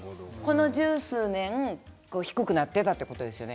この十数年低くなっているということですよね。